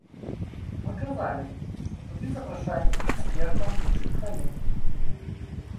Мы казалі, што туды запрашаем і экспертаў з іншых краін.